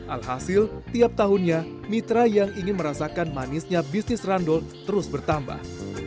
alhasil tiap tahunnya mitra yang ingin merasakan manisnya bisnis randol terus bertambah